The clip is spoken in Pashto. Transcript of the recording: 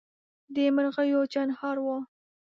د مرغیو چڼهار وو